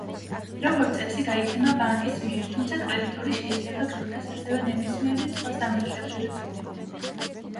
როგორც წესი გაიცემა ბანკის მიერ, თუმცა კრედიტორი შეიძლება გახდეს ასევე ნებისმიერი სხვა სამართლებრივი პირი.